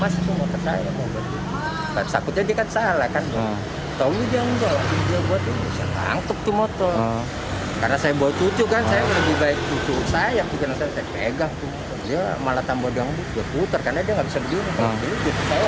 saya pegang dia malah tambah dangdut dia putar karena dia nggak bisa berdiri